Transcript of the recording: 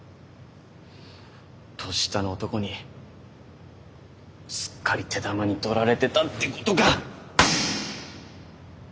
年下の男にすっかり手玉に取られてたってことか！